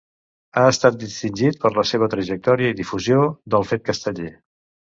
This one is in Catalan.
Ha estat distingit per la seva trajectòria i difusió del fet casteller.